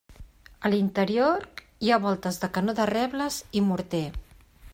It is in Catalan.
A l'interior hi ha voltes de canó de rebles i morter.